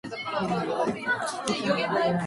日本で初めて、女性総理大臣が誕生した。